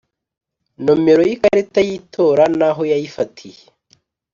Nomero y ikarita y itora n aho yayifatiye